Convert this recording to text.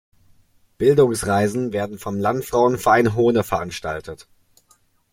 Bildungsreisen werden vom Landfrauenverein Hohne veranstaltet.